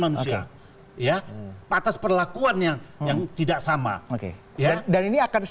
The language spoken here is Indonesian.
manusia ya atas perlakuan yang yang tidak sama oke ya dan ini akan